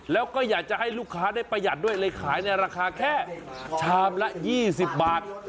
แล้วก็อยากจะให้ลูกค้าได้ประหยัดด้วยเลยขายในราคาแค่ชามละ๒๐บาท